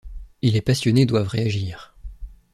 Et les passionnés doivent réagir.